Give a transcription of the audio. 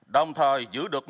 đồng thời giữ được mạnh